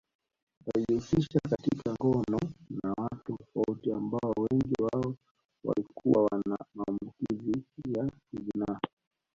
Walijihusisha katika ngono na watu tofauti ambao wengi wao walikuwa wana maambukizo ya zinaa